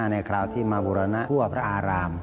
คราวที่มาบุรณะทั่วพระอาราม